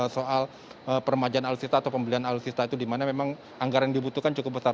soal permajaan alusista atau pembelian alusista itu dimana memang anggaran dibutuhkan cukup besar